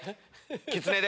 きつねで。